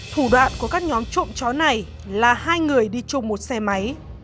thủ đoạn của các nhóm trộm chó này là hai người đi chung một xe máy